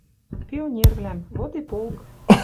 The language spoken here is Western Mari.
Пионервлӓм. Вот и полк.